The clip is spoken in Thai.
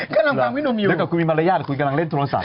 กำลังบ้างวินุมอยู่เดี๋ยวกับคุณมีมารยาทคุณกำลังเล่นโทรศัพท์